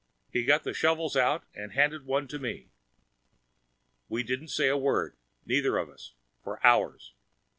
He got the shovels out and handed one to me. We didn't say a word, neither of us, for hours.